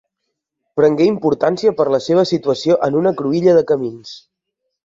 Prengué importància per la seva situació en una cruïlla de camins.